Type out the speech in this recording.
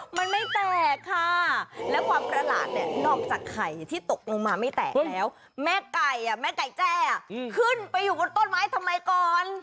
มันไม่แตกค่ะแล้วความประหลาดเนี่ยนอกจากไข่ที่ตกลงมาไม่แตกแล้วแม่ไก่แม่ไก่แจ้ขึ้นไปอยู่บนต้นไม้ทำไมก่อน